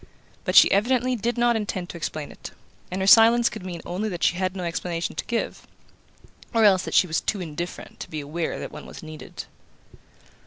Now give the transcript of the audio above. But she evidently did not intend to explain it, and her silence could mean only that she had no explanation to give, or else that she was too indifferent to be aware that one was needed.